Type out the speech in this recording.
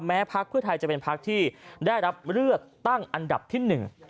แม้ภักดิ์เพื่อไทยจะเป็นภักดิ์ที่ได้รับเลือดตั้งอันดับที่๑